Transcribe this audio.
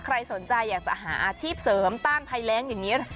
ใครสนใจอยากจะหาอาชีพเสริมต้านภัยแรงอย่างนี้